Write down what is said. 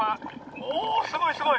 おぉすごいすごい。